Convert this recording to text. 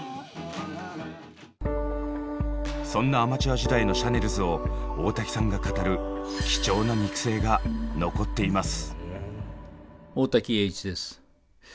そんなアマチュア時代のシャネルズを大滝さんが語る貴重な肉声が残っています。